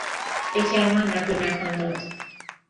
به کرمان نقل مکان داد.